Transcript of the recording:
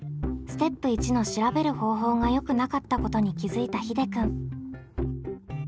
ステップ１の「調べる方法」がよくなかったことに気付いたひでくん。